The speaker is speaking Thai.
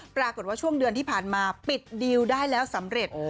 ปรากฏว่าช่วงเดือนที่ผ่านมาปิดดีลได้แล้วสำเร็จ